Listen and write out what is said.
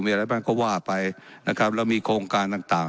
มีอะไรบ้างก็ว่าไปนะครับแล้วมีโครงการต่างต่าง